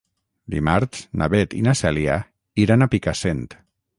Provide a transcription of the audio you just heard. Dimarts na Beth i na Cèlia iran a Picassent.